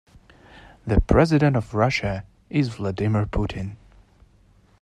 The president of Russia is Vladimir Putin.